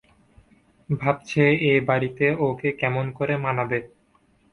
ভাবছে, এ বাড়িতে ওকে কেমন করে মানাবে?